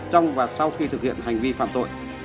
trong và sau khi thực hiện hành vi phạm tội